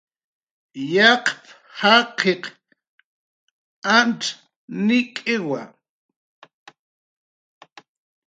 "Yaqp"" jaqiq antz nik'iwa"